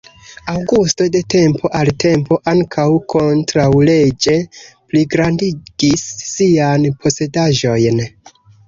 Aŭgusto de tempo al tempo ankaŭ kontraŭleĝe pligrandigis sian posedaĵojn.